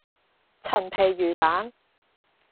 陳皮魚蛋